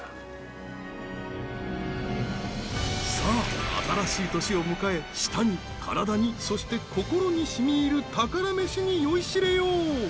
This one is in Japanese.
さあ、新しい年を迎え舌に体に、そして心にしみいる宝メシに酔いしれよう！